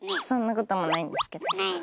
そんなこともないんですけどね。